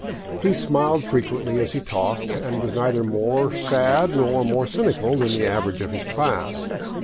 He smiled frequently as he talked, and was neither more sad nor more cynical than the average of his class.